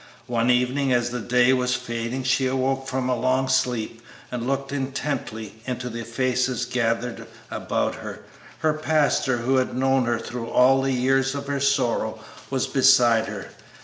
One evening as the day was fading she awoke from a long sleep and looked intently into the faces gathered about her. Her pastor, who had known her through all the years of her sorrow, was beside her.